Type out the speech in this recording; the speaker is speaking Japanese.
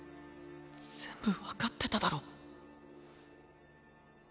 全部分かってただろ。